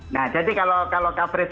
nah jadi kalau coverage